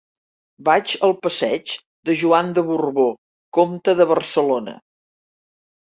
Vaig al passeig de Joan de Borbó Comte de Barcelona.